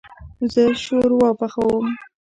زه شوروا پخوم